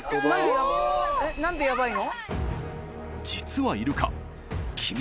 何でヤバいの？